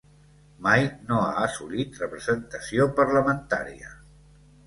Mai no ha assolit representació parlamentària.